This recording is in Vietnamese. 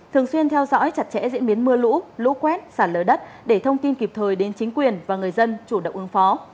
thường xuyên theo dõi chặt chẽ diễn biến mưa lũ lũ quét sạt lở đất để thông tin kịp thời đến chính quyền và người dân chủ động ứng phó